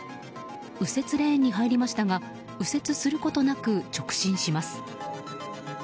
右折レーンに入りましたが右折することなく直進します。